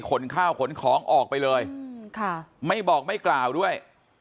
ขนข้าวขนของออกไปเลยไม่บอกไม่กล่าวด้วย